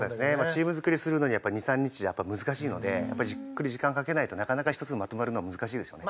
チームづくりするのに２３日じゃやっぱ難しいのでじっくり時間かけないとなかなか１つにまとまるのは難しいですよね。